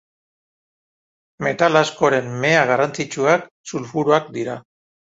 Metal askoren mea garrantzitsuak sulfuroak dira.